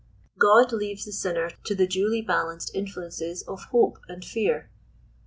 God leaves the sinner to the duly balanced influences of hope and fear.